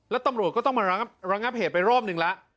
แล้วตำรวจก็ต้องมาระงับเหตุไปรอบนึงแล้ว